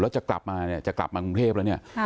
แล้วจะกลับมาคุกเทพแล้วนี่